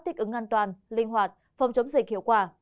thích ứng an toàn linh hoạt phòng chống dịch hiệu quả